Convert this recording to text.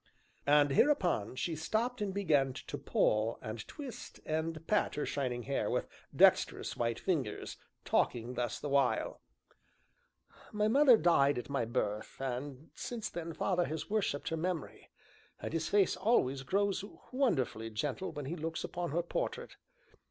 And, hereupon, she stopped and began to pull, and twist, and pat her shining hair with dexterous white fingers, talking thus the while: "My mother died at my birth, and since then father has worshipped her memory, and his face always grows wonderfully gentle when he looks upon her portrait.